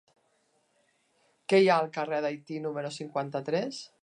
Què hi ha al carrer d'Haití número cinquanta-tres?